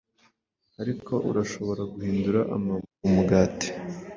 Ariko urashobora guhindura amabuye umugati.